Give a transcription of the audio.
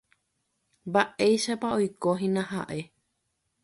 Mba'éichapa oikohína ha'e.